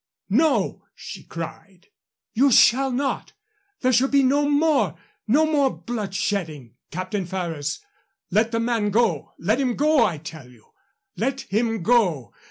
No!" she cried. "You shall not! There shall be no more no more blood shedding, Captain Ferrers! Let the man go. Let him go, I tell you! Let him go!